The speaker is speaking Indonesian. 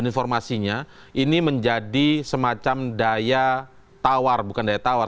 informasinya ini menjadi semacam daya tawar bukan daya tawar